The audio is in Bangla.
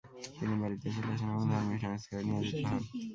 তিনি বাড়িতে চলে আসেন এবং ধর্মীয় সংস্কারে নিয়োজিত হন।